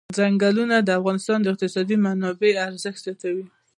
ځنګلونه د افغانستان د اقتصادي منابعو ارزښت زیاتوي.